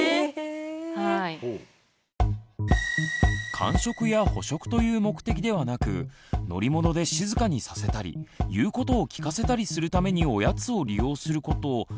間食や補食という目的ではなく乗り物で静かにさせたり言うことを聞かせたりするためにおやつを利用することありますよね。